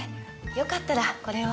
よかったらこれを。